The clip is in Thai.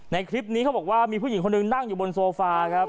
ในคลิปนี้เขาบอกว่ามีผู้หญิงคนหนึ่งนั่งอยู่บนโซฟาครับ